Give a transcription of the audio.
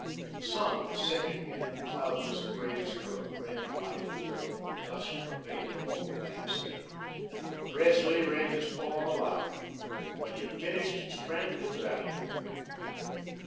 The sun was setting in a cloudless brazier of red light; a golden dust pervaded all the landscape. Presley read his poem aloud. When he had finished, his friend looked at him.